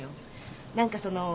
何かそのう。